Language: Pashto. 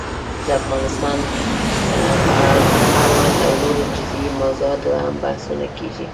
د افغانستان د سفارت اړوند او نورو جزيي موضوعاتو هم بحثونه کېږي